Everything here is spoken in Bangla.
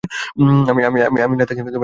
আমি না তাকে এখানে থাকতে বললাম।